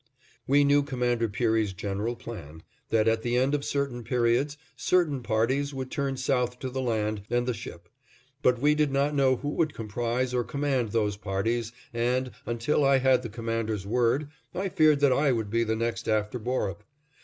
We knew Commander Peary's general plan: that, at the end of certain periods, certain parties would turn south to the land and the ship; but we did not know who would comprise or command those parties and, until I had the Commander's word, I feared that I would be the next after Borup.